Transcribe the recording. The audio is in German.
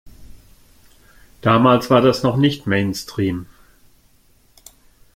Damals war das noch nicht Mainstream.